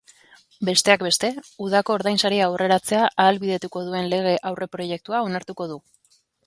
Besteak beste, udako ordainsaria aurreratzea ahalbidetuko duen lege aurreproiektua onartuko du.